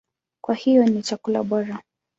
Kwa hiyo ni chakula bora.